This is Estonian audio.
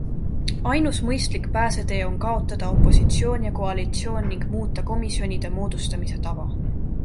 Ainus mõistlik pääsetee on kaotada opositsioon ja koalitsioon ning muuta komisjonide moodustamise tava.